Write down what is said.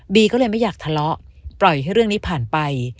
ก็เลยไม่อยากทะเลาะปล่อยให้เรื่องนี้ผ่านไป